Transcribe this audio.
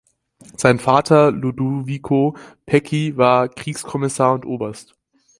Sein Vater Ludovico Pecci war Kriegskommissar und Oberst.